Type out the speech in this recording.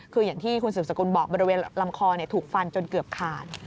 คืออย่างที่คุณสืบสกุลบอกบริเวณลำคอถูกฟันจนเกือบขาด